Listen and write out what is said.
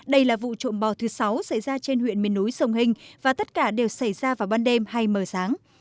đây là vụ trộm bò thứ sáu xảy ra trên huyện miền núi sông hình và tất cả đều xảy ra vào ban đêm hay mờ sáng